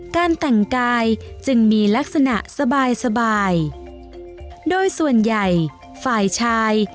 การแต่งกายจึงมีลักษณะสบายสบายโดยส่วนใหญ่ฝ่ายชาย